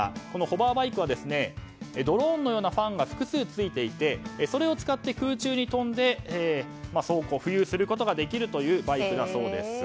このホバーバイクはドローンのようなファンが複数ついていてそれを使って空中に飛んで走行、浮遊することができるバイクだそうです。